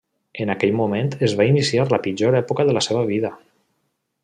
En aquell moment es va iniciar la pitjor època de la seva vida.